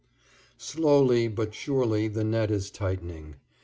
= Slowly but surely the net is tightening.